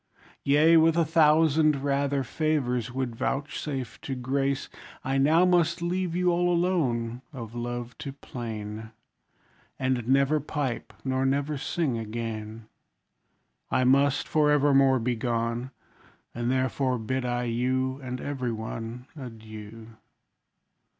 Yea, with a thousand rather favours, would vouchsafe to grace, I now must leave you all alone, of love to plain; And never pipe, nor never sing again! I must, for evermore, be gone; And therefore bid I you, And every one, Adieu!